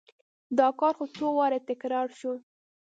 دا کار څو وارې تکرار شو.